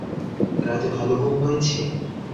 রাতে ভালো ঘুম হয়েছে?